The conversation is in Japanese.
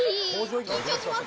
緊張します。